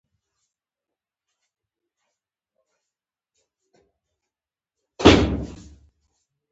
په اوسپیډل مګوري روغتون کې د درملنې یو څه نوره درملنه پاتې وه.